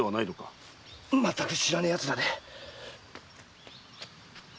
まったく知らねえ奴らで。